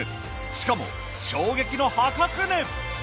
しかも衝撃の破格値。